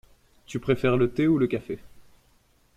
Tu préfères le thé ou le café?